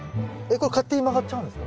これ勝手に曲がっちゃうんですか？